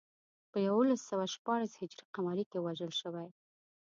په یولس سوه شپاړس هجري قمري کې وژل شوی.